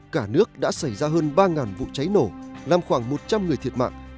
cả nước đã xảy ra hơn ba vụ cháy nổ làm khoảng một trăm linh người thiệt mạng